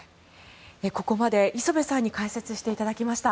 ここまで磯部さんに解説していただきました。